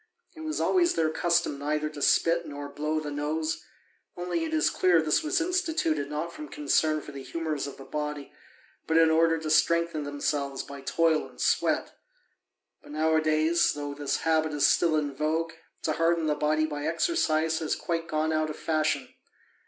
It was always their custom neither to spit nor blow the nose, only it is clear this was instituted not from concern for the humours of the body, but in order to strengthen themselves by toil and sweat. But nowadays, though this habit is still in vogue, to harden the body by exercise has quite gone out of fashion.